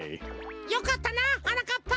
よかったなはなかっぱ！